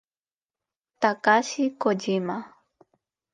Takashi Kojima